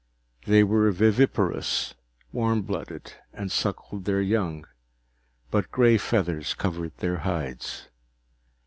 They were viviparous, warm blooded, and suckled their young, but gray feathers covered their hides.